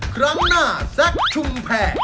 ครั้งหน้าแซคชุมแพร